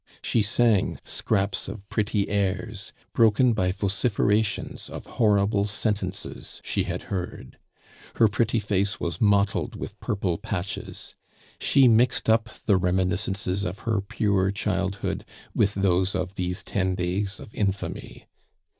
She sang scraps of pretty airs, broken by vociferations of horrible sentences she had heard. Her pretty face was mottled with purple patches. She mixed up the reminiscences of her pure childhood with those of these ten days of infamy.